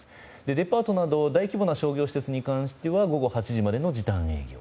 デパートなど大規模な商業施設に関しては午後８時までの時短営業。